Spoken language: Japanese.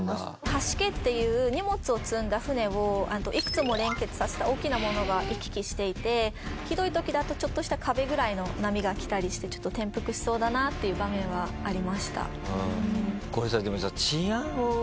艀っていう荷物を積んだ船をいくつも連結させた大きなものが行き来していてひどい時だとちょっとした壁ぐらいの波が来たりしてちょっと転覆しそうだなっていう場面はありました。